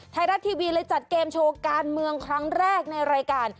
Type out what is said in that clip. ไทยรัฐทีวีเลยจัดเกมโชว์การเมืองครั้งแรกในรายการ